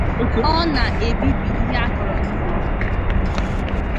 ọ na-ebibi ihe a kọrọ n'ugbo